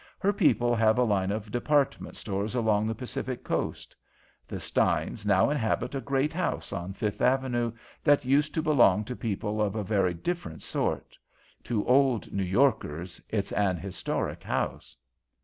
Her people have a line of department stores along the Pacific Coast. The Steins now inhabit a great house on Fifth Avenue that used to belong to people of a very different sort. To old New Yorkers, it's an historic house."